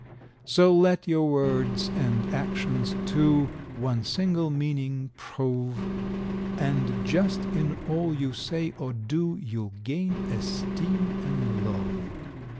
So let your words and actions, too, one single meaning prove, And just in all you say or do, you'll gain esteem and love.